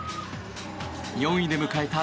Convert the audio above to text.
４位で迎えた